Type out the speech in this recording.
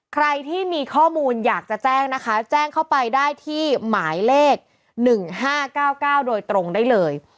ใครที่มีข้อมูลอยากจะแจ้งนะคะแจ้งเข้าไปได้ที่หมายเลข๑๕๙๙โดยตรงได้เลย